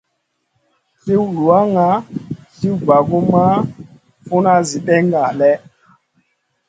Sliw luwanŋa, sliw bagumʼma, funa, Zi ɗènŋa lèh.